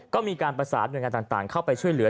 ก็มีการประสานหน่วยงานต่างเข้าไปช่วยเหลือ